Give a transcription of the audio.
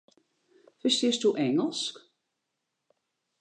Ferstiesto Ingelsk?